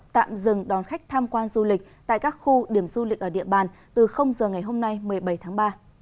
tạm dừng đón khách tham quan du lịch tại các khu điểm du lịch ở địa bàn từ giờ ngày hôm nay một mươi bảy tháng ba